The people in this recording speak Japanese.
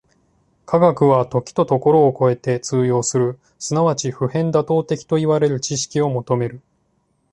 科学は時と処を超えて通用する即ち普遍妥当的といわれる知識を求める。